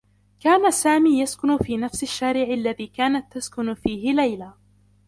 كان سامي يسكن في نفس الشّارع الذي كانت تسكن فيه ليلى.